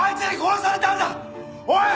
おい！